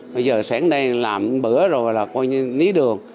bây giờ sáng nay làm bữa rồi là coi như lý đường